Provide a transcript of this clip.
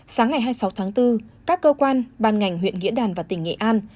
sáng ngày hai mươi sáu tháng bốn các cơ quan ban ngành huyện nghĩa đàn và tỉnh nghệ an